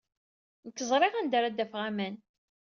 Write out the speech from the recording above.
Nekk ẓriɣ anda ara d-afeɣ aman.